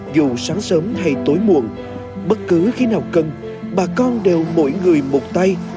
dù sáng sớm hay tối muộn bất cứ khi nào cần bà con đều mỗi người một tay